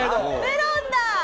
メロンだ。